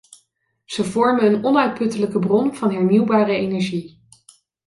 Ze vormen een onuitputtelijke bron van hernieuwbare energie.